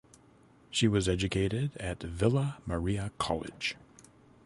She was educated at Villa Maria College.